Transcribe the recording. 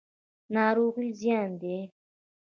ناروغي زیان دی.